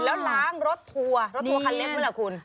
แล้วล้างรถทัวร์รถทัวร์คันเล็กไหมล่ะคุณ